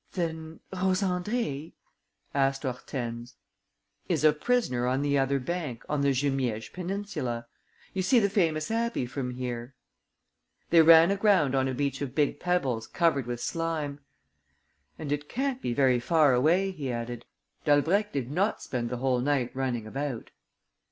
"Then Rose Andrée ...?" asked Hortense. "Is a prisoner on the other bank, on the Jumièges peninsula. You see the famous abbey from here." They ran aground on a beach of big pebbles covered with slime. "And it can't be very far away," he added. "Dalbrèque did not spend the whole night running about."